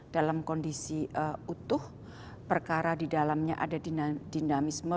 dalam kondisi utuh perkara di dalamnya ada dinamisme